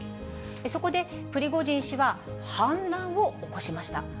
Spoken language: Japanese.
そこでプリゴジン氏は、反乱を起こしました。